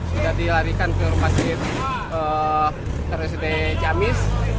sudah dilarikan ke rumah sakit teras di ciamis